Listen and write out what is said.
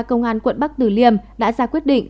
công an quận bắc tử liêm đã ra quyết định